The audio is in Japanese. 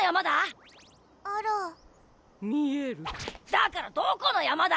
だからどこのやまだ？